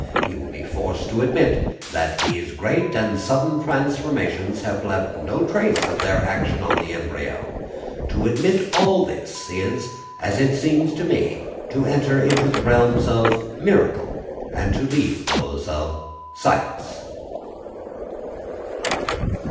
He will be forced to admit that these great and sudden transformations have left no trace of their action on the embryo. To admit all this is, as it seems to me, to enter into the realms of miracle, and to leave those of science.